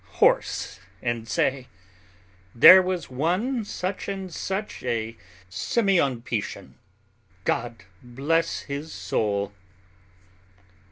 horse and say: "There was one such and such a Simeonov Pischin, God bless his soul...."